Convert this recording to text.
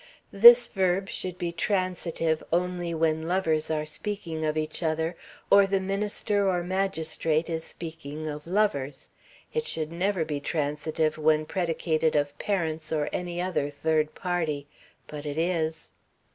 This verb should be transitive only when lovers are speaking of each other, or the minister or magistrate is speaking of lovers. It should never be transitive when predicated of parents or any other third party. But it is.